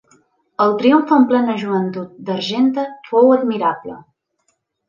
El triomf en plena joventut, d'Argenta, fou admirable.